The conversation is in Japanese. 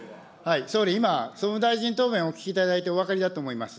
総理、今、総務大臣答弁お聞きいただいてお分かりだと思います。